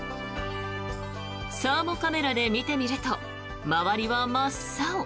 サーモカメラで見てみると周りは真っ青。